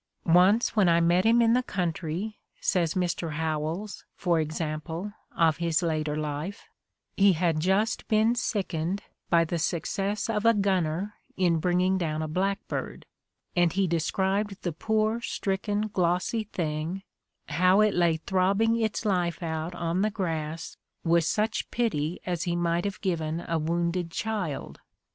"Once when I met him in the country," says Mr. Howells, for example, of his later life, "he had just been sickened by the success of a gunner in bringing down a blackbird; and he described the poor, stricken, glossy thing, how it lay throbbing its life out on the grass, with such pity as he might have given a wounded child."